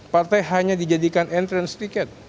partai hanya dijadikan entrance ticket